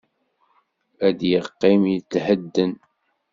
Ad yeqqim yethedden.